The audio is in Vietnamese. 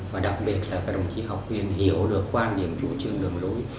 và đặc biệt là các đồng chí học viên hiểu được quan điểm chủ trương đường lối